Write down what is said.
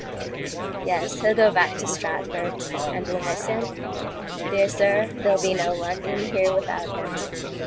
Yes, he'll go back to Stratford. And we'll miss him? Dear sir, there'll be no London here without him.